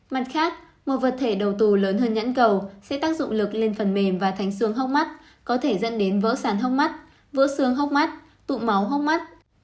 mặt khác một vật thể đầu tù lớn hơn nhãn cầu sẽ tác dụng lực lên phần mềm và thành xương hốc mắt có thể dẫn đến vỡ sàn hốc mắt vỡ xương hốc mắt tụ máu hốc mắt